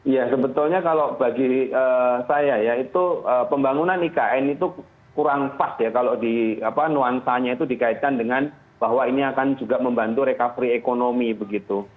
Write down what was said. ya sebetulnya kalau bagi saya ya itu pembangunan ikn itu kurang pas ya kalau di nuansanya itu dikaitkan dengan bahwa ini akan juga membantu recovery ekonomi begitu